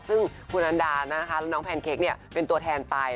ซึ่งคุณอันดานะคะแล้วน้องแพนเค้กเป็นตัวแทนไป